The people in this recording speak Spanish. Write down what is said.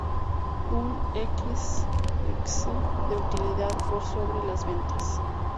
Un X, X% de utilidad por sobre las ventas.